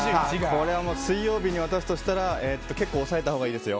これは水曜日に渡すとしたら結構押さえたほうがいいです。